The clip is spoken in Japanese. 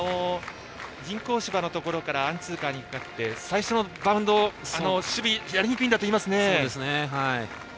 人工芝のところからアンツーカーにかけて最初のバウンドやりにくいと聞きます。